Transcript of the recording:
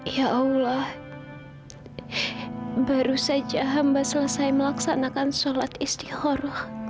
ya allah baru saja hamba selesai melaksanakan sholat istiqoroh